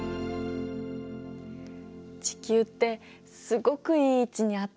地球ってすごくいい位置にあったんだね。